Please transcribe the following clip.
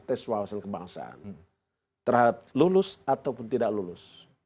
tes wawasan kebangsaan terhadap lulus ataupun tidak lulus